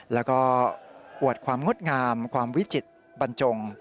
แล้วก็อวดความงดงามความวิจิตรบรรจง